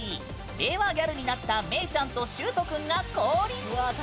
令和ギャルになっためいちゃんとしゅーとくんが降臨！